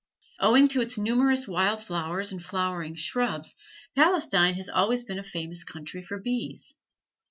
Owing to its numerous wild flowers and flowering shrubs, Palestine has always been a famous country for bees.